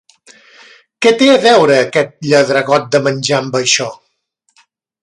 Què té a veure aquest lladregot de menjar amb això.